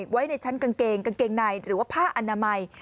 ไว้ในชั้นกางเกงกางเกงในหรือว่าผ้าอนามัย